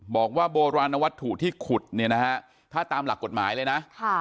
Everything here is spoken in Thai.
บอกว่าโบราณวัตถุที่ขุดถ้าตามหลักกฎหมายเลยนะ